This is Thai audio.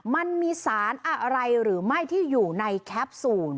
มันมีสารอะไรหรือไม่ที่อยู่ในแคปซูล